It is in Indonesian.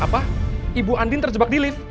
apa ibu andin terjebak di lift